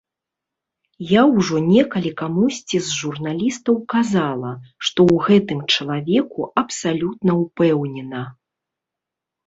Я ўжо некалі камусьці з журналістаў казала, што ў гэтым чалавеку абсалютна ўпэўнена.